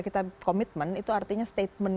kita komitmen itu artinya statement